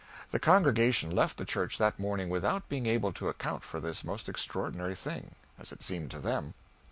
The congregation left the church that morning without being able to account for this most extraordinary thing as it seemed to them.